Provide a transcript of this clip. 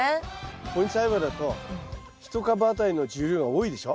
放任栽培だと１株あたりの重量が多いでしょ。